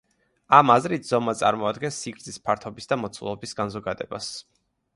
ამ აზრით, ზომა წარმოადგენს სიგრძის, ფართობის და მოცულობის განზოგადებას.